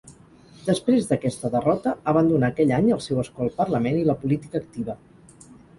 Després d'aquesta derrota abandonà aquell any el seu escó al Parlament i la política activa.